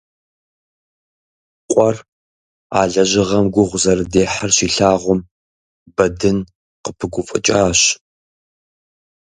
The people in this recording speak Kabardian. Къуэр, а лэжьыгъэм гугъу зэрыдехьыр щилъагъум, Бэдын къыпыгуфӀыкӀащ.